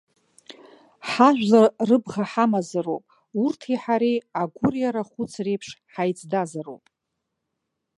Ҳажәлар рыбӷа ҳамазароуп, урҭи ҳареи агәыри арахәыци реиԥш ҳаиҵдазароуп.